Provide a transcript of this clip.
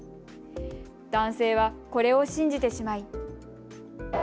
男性は、これを信じてしまい。